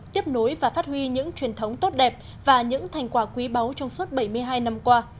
tiếp nối và phát huy những truyền thống tốt đẹp và những thành quả quý báu trong suốt bảy mươi hai năm qua